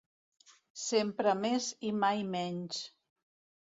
Sempre més i mai menys!